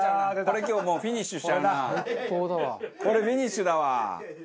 これフィニッシュだわ。